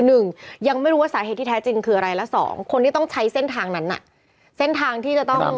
หนึ่งยังไม่รู้ว่าสาเหตุที่แท้จริงคืออะไรละสองคนที่ต้องใช้เส้นทางนั้นน่ะเส้นทางที่จะต้อง